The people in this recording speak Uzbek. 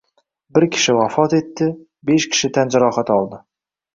Bir kishi vafot etdi, besh kishi tan jarohati oldi